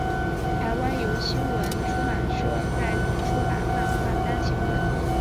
台湾由青文出版社代理出版漫画单行本。